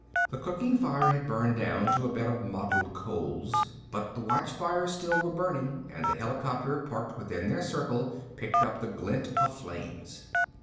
The cooking fire had burned down to a bed of mottled coals, but the watchfires still were burning and the helicopter, parked within their circle, picked up the glint of flames.